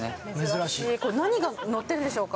何がのっているんでしょうか？